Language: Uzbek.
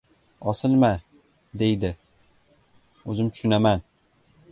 — Osilma! — deydi. — O‘zim tushaman!